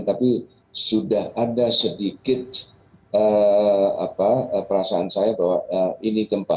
tapi sudah ada sedikit perasaan saya bahwa ini gempa